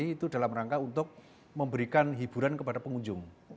itu dalam rangka untuk memberikan hiburan kepada pengunjung